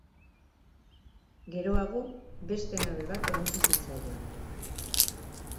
Geroago, beste nabe bat erantsi zitzaion.